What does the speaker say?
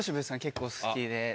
結構好きで。